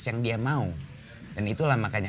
yang dia mau dan itulah makanya